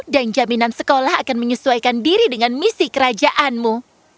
dan jaminan sekolah akan menyesuaikan diri dengan misi kerajaanmu